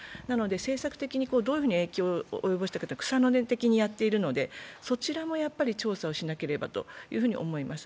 政策的にどういうふうに影響を及ぼしたか草の根的にやっているので、そちらもやはり調査をしなければと思います。